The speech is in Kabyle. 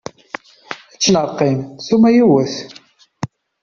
Ečč neɣ qqim, ssuma yiwet.